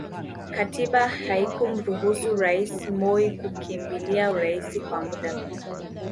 Katiba haikumruhusu Rais Moi kukimbilia urais kwa muda